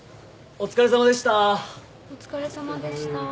お疲れさまでした。